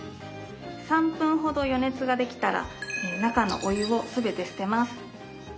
３分ほど余熱ができたら中のお湯を全て捨てます。